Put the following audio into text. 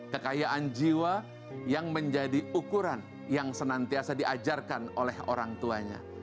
kekayaan jiwa yang menjadi ukuran yang senantiasa diajarkan oleh orang tuanya